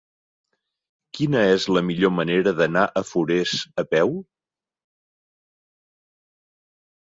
Quina és la millor manera d'anar a Forès a peu?